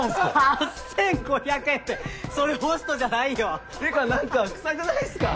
８５００円ってそれホストじゃないよってか何か臭くないっすか？